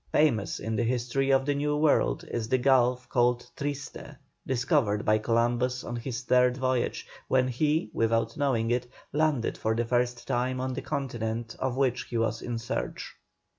Famous in the history of the New World is the gulf called "Triste," discovered by Columbus on his third voyage, when he, without knowing it, landed for the first time on the Continent of which he was in search.